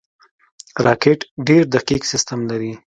راکټ ډېر دقیق سیستم لري